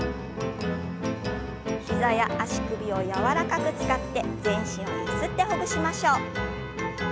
膝や足首を柔らかく使って全身をゆすってほぐしましょう。